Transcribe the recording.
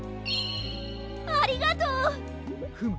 ありがとう。フム。